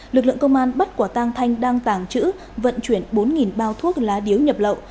lực lượng công an bắt quả tang thanh đang tàng trữ vận chuyển bốn bao thuốc lá điếu nhập lậu